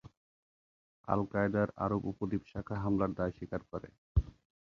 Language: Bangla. আল কায়েদার আরব উপদ্বীপ শাখা হামলার দায় স্বীকার করে।